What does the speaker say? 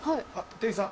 店員さん。